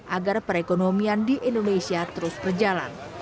agar perekonomian di indonesia terus berjalan